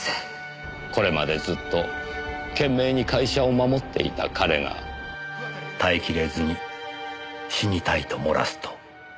これまでずっと懸命に会社を守っていた彼が耐え切れずに死にたいともらすと。